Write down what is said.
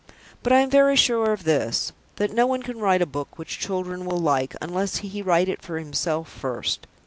But I am very sure of this: that no one can write a book which children will like, unless he write it for himself first.